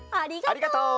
ありがとう！